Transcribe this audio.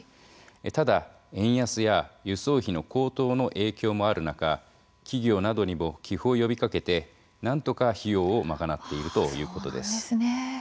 ただ円安や輸送費の高騰の影響もある中企業などにも寄付を呼びかけてなんとか費用を賄っているということです。